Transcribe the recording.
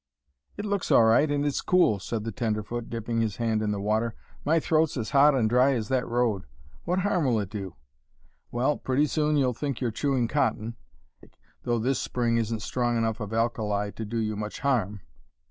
"It looks all right, and it's cool," said the tenderfoot, dipping his hand in the water. "My throat's as hot and dry as that road. What harm will it do?" "Well, pretty soon you'll think you're chewing cotton; and it may make you sick, though this spring isn't strong enough of alkali to do you much harm."